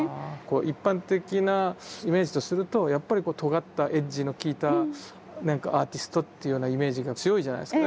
一般的なイメージとするとやっぱりとがったエッジのきいたなんかアーティストっていうようなイメージが強いじゃないですか。